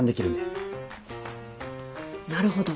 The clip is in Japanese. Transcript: なるほど。